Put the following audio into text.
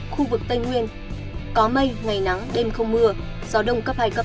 khu vực tây nguyên có mây ngày nắng đêm không mưa gió đông cấp hai cấp năm